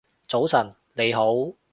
早晨你好